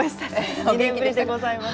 ２年ぶりでございます。